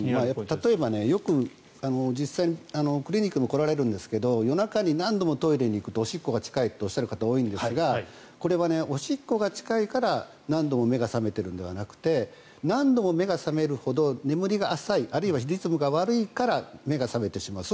例えば、実際にクリニックにも来られるんですが夜中に何度もトイレに行くおしっこが近いとおっしゃる方多いんですがこれはおしっこが近いから何度も目が覚めてるのではなくて何度も目が覚めるほど眠りが浅いあるいはリズムが悪いから目が覚めてしまう。